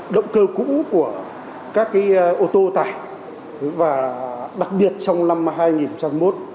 động cơ cũ của các ô tô tải đặc biệt trong năm hai nghìn một